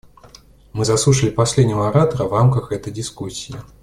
Мы заслушали последнего оратора в рамках этой дискуссии.